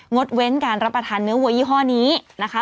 ดเว้นการรับประทานเนื้อวัวยี่ห้อนี้นะคะ